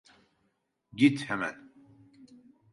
Git hemen!